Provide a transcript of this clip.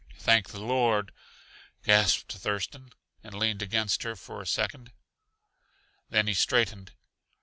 "Thank the Lord!" gasped Thurston, and leaned against her for a second. Then he straightened.